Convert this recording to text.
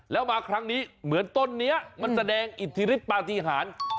แล้วมาครั้งนี้เหมือนต้นนี้มันแสดงอิทธิฤทธปฏิหาร